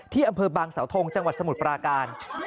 ที่บางเสาโทงจังหวัดสมุทรปราการ